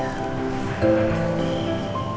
aku mau tanya deh